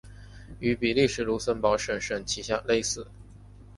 与比利时卢森堡省省旗类似。